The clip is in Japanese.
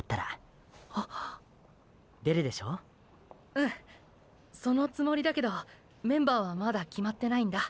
うんそのつもりだけどメンバーはまだ決まってないんだ。